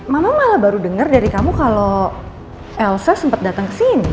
mama malah baru denger dari kamu kalo elsa sempet dateng kesini